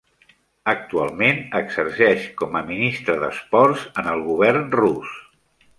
Actualment exerceix com a Ministre d'Esports en el govern rus.